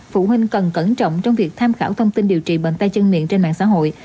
phụ huynh cần cẩn trọng trong việc tham khảo thông tin điều trị bệnh tay chân miệng trên mạng xã hội